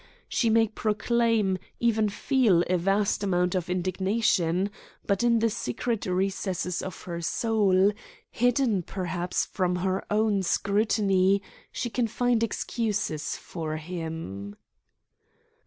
She may proclaim, even feel, a vast amount of indignation, but in the secret recesses of her soul, hidden perhaps from her own scrutiny, she can find excuses for him.